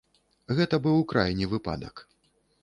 Гэта быў крайні выпадак.